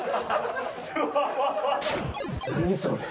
何それ？